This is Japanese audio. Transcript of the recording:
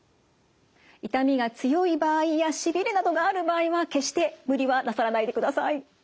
痛みが強い場合やしびれなどがある場合は決して無理はなさらないでください。